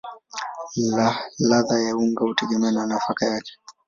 Ladha ya unga hutegemea na nafaka yake.